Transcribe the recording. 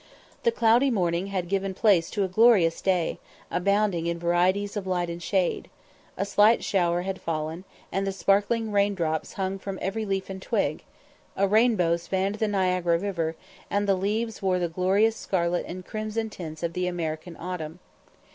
The cloudy morning had given place to a glorious day, abounding in varieties of light and shade; a slight shower had fallen, and the sparkling rain drops hung from every leaf and twig; a rainbow spanned the Niagara river, and the leaves wore the glorious scarlet and crimson tints of the American autumn.